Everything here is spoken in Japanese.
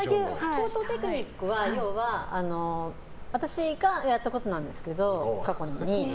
高等テクニックは要は私がやったことなんですけど過去に。